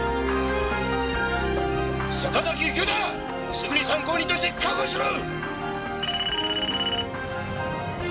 すぐに参考人として確保しろ！